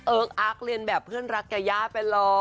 เอิ้งอักเรียนแบบเพื่อนรักกับย่าเป็นรอ